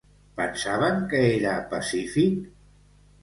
Pensaven que era pacífic?